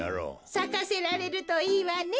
さかせられるといいわね。